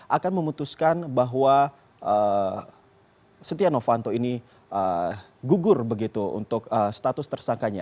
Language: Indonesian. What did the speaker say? akan memutuskan bahwa setia novanto ini gugur begitu untuk status tersangkanya